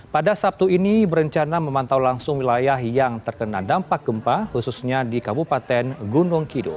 pada sabtu ini berencana memantau langsung wilayah yang terkena dampak gempa khususnya di kabupaten gunung kidul